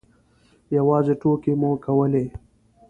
یوازې ټوکې مو کولې.